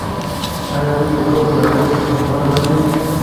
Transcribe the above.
آیا دوی په ټوله نړۍ کې پانګونه نه کوي؟